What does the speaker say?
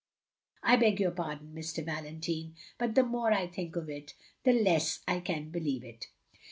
I beg your pardon, Mr. Valentine, but the more I think of it, the less I can believe it."